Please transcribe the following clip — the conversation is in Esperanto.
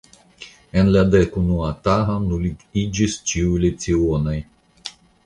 En la dekunua tago nuligiĝis ĉiuj lecionoj.